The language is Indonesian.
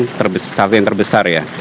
yang terakhir ini operasi yang boleh kita bilang